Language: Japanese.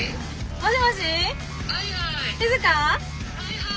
もしもし。